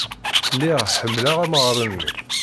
Lliɣ ḥemmleɣ amɣar-nni.